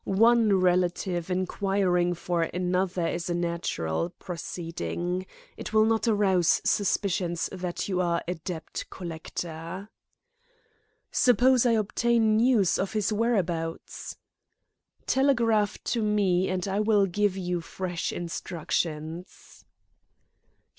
One relative inquiring for another is a natural proceeding. It will not arouse suspicions that you are a debt collector." "Suppose I obtain news of his whereabouts?" "Telegraph to me and I will give you fresh instructions."